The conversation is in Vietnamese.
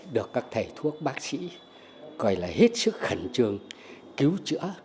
được các thầy thuốc bác sĩ gọi là hết sức khẩn trương cứu chữa